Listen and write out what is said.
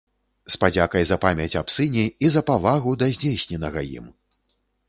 З падзякай за памяць аб сыне і за павагу да здзейсненага ім.